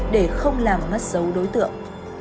để không làm mất dấu đối tượng